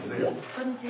こんにちは。